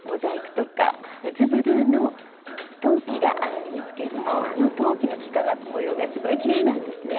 フェズブルーの陶器があるんですけれどもこの陶器の幾何学模様がすごいきれいなんですね。